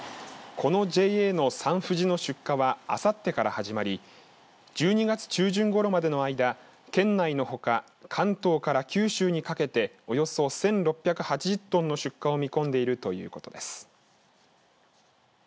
このＪＡのサンふじの出荷はあさってから始まり１２月中旬ごろまでの間県内のほか関東から九州にかけておよそ１６８０トンの出荷を見込んでいるということです。